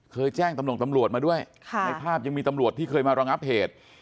เคยแจ้งตำรวจมาด้วยในภาพยังมีตำรวจที่เคยมารังอัพเพจ